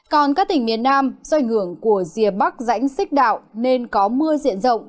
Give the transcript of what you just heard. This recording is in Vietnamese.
còn các tỉnh miền nam do ảnh hưởng của rìa bắc rãnh xích đạo nên có mưa diện rộng